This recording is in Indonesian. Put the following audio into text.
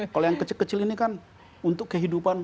kalau yang kecil kecil ini kan untuk kehidupan